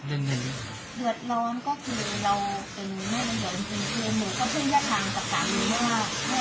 เดือดร้อนก็คือเราเป็นแม่แม่เดือดร้อนจริงจริงคือหนูก็ช่วยเยอะทางกับการเมื่อ